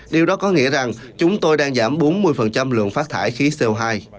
điều đó có nghĩa rằng chúng tôi đang giảm bốn mươi lượng phát thải khí co hai